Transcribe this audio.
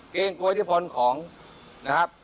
เกรงกลัวยที่พลของนะครับ